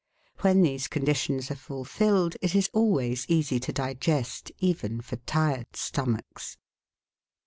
When these conditions are fulfilled it is always easy to digest even for tired stomachs.